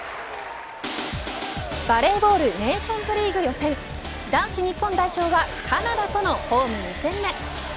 バレーボールネーションズリーグ予選男子日本代表はカナダとのホーム２戦目。